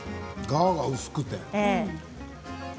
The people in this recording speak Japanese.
皮が薄くて。